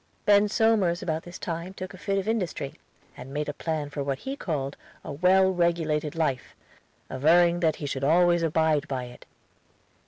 Ben Somers about this time took a fit of industry, and made a plan for what he called a well regulated life, averring that he should always abide by it.